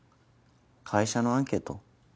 会社のアンケート？